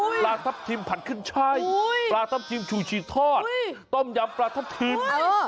ปลาทับทิมผัดขึ้นใช่ปลาทับทิมชูชีทอดต้มยำปลาทับทิม